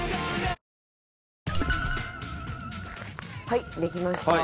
はいできました。